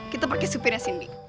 kita pakai supirnya cindy